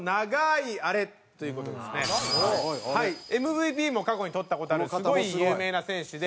ＭＶＰも過去にとった事あるすごい有名な選手で。